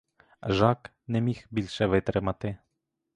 Жак не міг більше витримати.